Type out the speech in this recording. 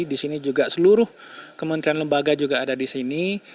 di sini juga seluruh kementerian lembaga juga ada di sini